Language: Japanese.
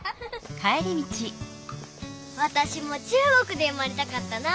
わたしも中国で生まれたかったな。